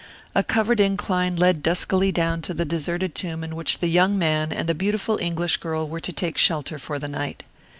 A covered incline led duskily down to the deserted tomb in which the young man and the beautiful English girl were to take shelter for the night.